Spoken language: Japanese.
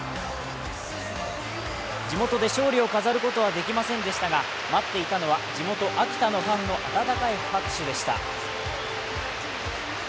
地元で勝利を飾ることはできませんでしたが、待っていたのは地元・秋田のファンの温かい拍手でした。